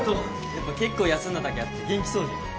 やっぱ結構休んだだけあって元気そうじゃん。